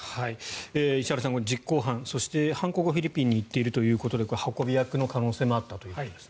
石原さん、実行犯そして犯行後フィリピンに行っているということでこれは運び役の可能性もあったということですね。